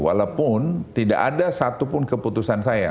walaupun tidak ada satupun keputusan saya